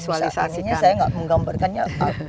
kalau saya bisa anginnya saya nggak menggambarkannya